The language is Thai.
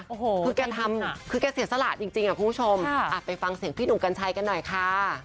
โอ้โหคือแกทำน่ะคือแกเสียสละจริงอ่ะคุณผู้ชมไปฟังเสียงพี่หนุ่มกัญชัยกันหน่อยค่ะ